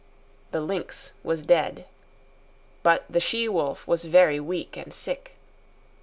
The lynx was dead. But the she wolf was very weak and sick.